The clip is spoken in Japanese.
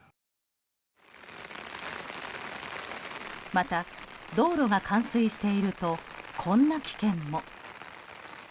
また、道路が冠水しているとこんな危険も。